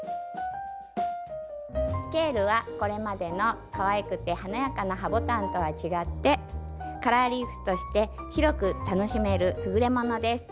ケールはこれまでのかわいくて華やかなハボタンとは違ってカラーリーフとして広く楽しめる優れものです。